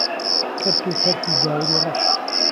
کەرت و پەرتی گاوری ڕەش